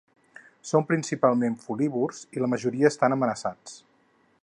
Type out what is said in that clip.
Són principalment folívors i la majoria estan amenaçats.